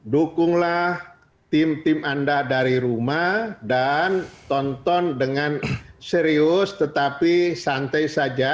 dukunglah tim tim anda dari rumah dan tonton dengan serius tetapi santai saja